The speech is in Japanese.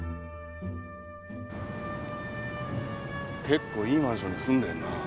結構いいマンションに住んでるな。